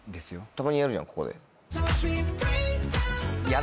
たまにやるじゃんここで。